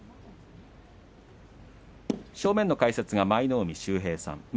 正面の解説が舞の海秀平さん。